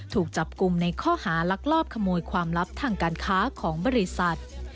ถูกจับกลุ่มในข้อหารักลอบขโมยความลับทางการค้าของบริษัท